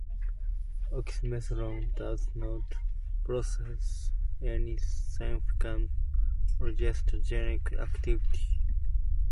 Oxymetholone does not possess any significant progestogenic activity.